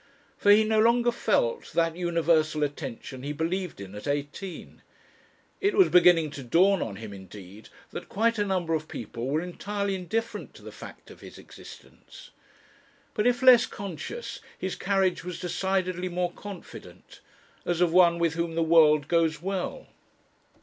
For he no longer felt that universal attention he believed in at eighteen; it was beginning to dawn on him indeed that quite a number of people were entirely indifferent to the fact of his existence. But if less conscious, his carriage was decidedly more confident as of one with whom the world goes well.